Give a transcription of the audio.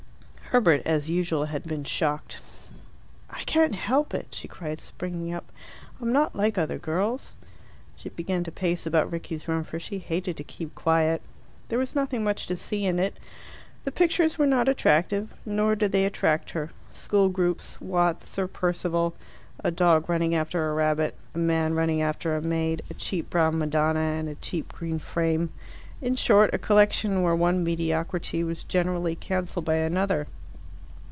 Herbert, as usual, had been shocked. "I can't help it," she cried, springing up. "I'm not like other girls." She began to pace about Rickie's room, for she hated to keep quiet. There was nothing much to see in it. The pictures were not attractive, nor did they attract her school groups, Watts' "Sir Percival," a dog running after a rabbit, a man running after a maid, a cheap brown Madonna in a cheap green frame in short, a collection where one mediocrity was generally cancelled by another.